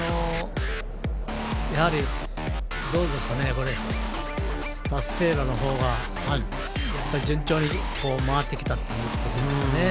やはりタスティエーラのほうが順調に回ってきたということですかね。